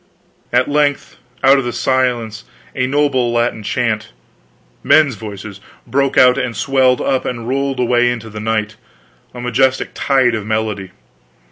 At length, out of the silence a noble Latin chant men's voices broke and swelled up and rolled away into the night, a majestic tide of melody.